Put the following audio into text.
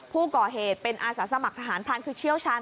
ผู้ก่อเหตุเป็นอาสาสมัครทหารพรานคือเชี่ยวชาญ